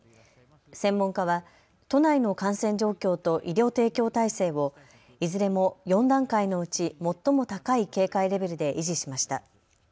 専門家は都内の感染状況と医療提供体制をいずれも４段階のうち最も高い警戒レベルで維持しました。